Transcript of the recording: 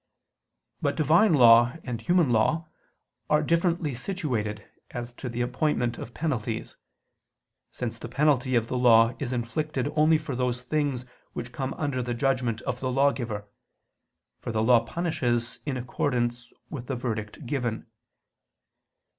But Divine law and human law are differently situated as to the appointment of penalties; since the penalty of the law is inflicted only for those things which come under the judgment of the lawgiver; for the law punishes in accordance with the verdict given.